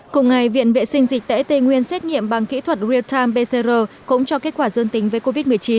cùng ngày viện vệ sinh dịch tễ tây nguyên xét nghiệm bằng kỹ thuật real time pcr cũng cho kết quả dương tính với covid một mươi chín